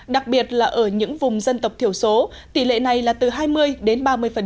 đặc biệt là ở những vùng dân tộc thiểu số tỷ lệ này là từ hai mươi đến ba mươi